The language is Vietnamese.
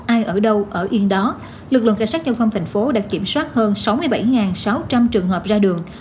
ai ở đâu ở yên đó lực lượng cảnh sát dâu thông tp đã kiểm soát hơn sáu mươi bảy sáu trăm linh trường hợp ra đường